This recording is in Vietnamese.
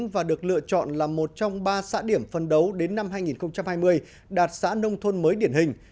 và được lựa chọn là một trong ba xã điểm phân đấu đến năm hai nghìn hai mươi đạt xã nông thôn mới điển hình